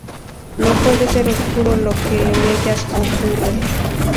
No puede ser oscuro lo que en ellas ocurre.